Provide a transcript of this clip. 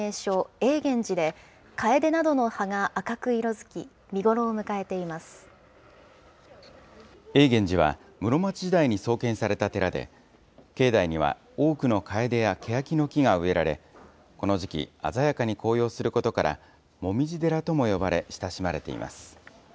永源寺は室町時代に創建された寺で、境内には多くのかえでやけやきの木が植えられ、この時期、鮮やかに紅葉することから、もみじ寺とも呼ばれ、親しまれています。